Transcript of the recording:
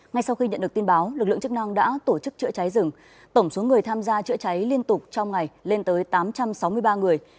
ngay sau khi nhận được tin báo lực lượng chức năng đã tổ chức chữa cháy rừng tổng số người tham gia chữa cháy liên tục trong ngày lên tới tám trăm sáu mươi ba người